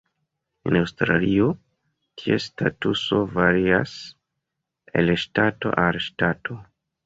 En Aŭstralio, ties statuso varias el ŝtato al ŝtato.